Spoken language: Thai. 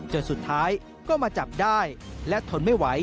จนสุดท้ายก็มาจับได้และทนไม่ไหว